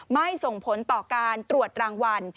ไม่ส่งผลต่อการตรวจรางวัล